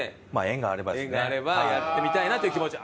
縁があればやってみたいなという気持ち。